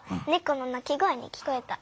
この鳴き声に聞こえた。